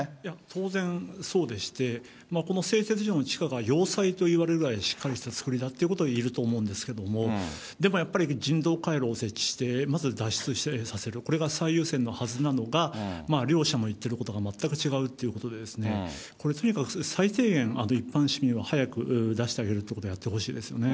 当然そうでして、この製鉄所の地下が要塞といわれるぐらいしっかりした造りだっていうことはいえると思うんですけど、でもやっぱり、人道回廊を設置して、まず脱出させる、これが最優先のはずなのが、両者の言ってることが全く違うっていうことで、これとにかく最低限、一般市民を早く出してあげるってことをやってほしいですね。